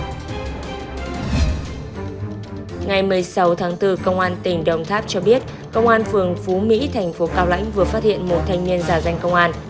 ngày một mươi sáu tháng bốn công an tỉnh đồng tháp cho biết công an phường phú mỹ thành phố cao lãnh vừa phát hiện một thanh niên giả danh công an